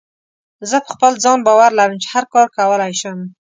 زه په خپل ځان باور لرم چې هر کار کولی شم.